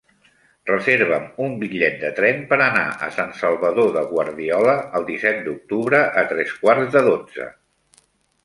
Reserva'm un bitllet de tren per anar a Sant Salvador de Guardiola el disset d'octubre a tres quarts de dotze.